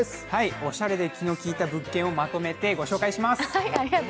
おしゃれで気の利いた物件をまとめて紹介します。